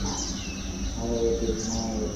তিনি কাতালান সাহিত্যজগতের প্রথম মানবতাবাদী লেখক।